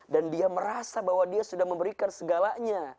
dan dia merasa bahwa dia sudah memberikan segalanya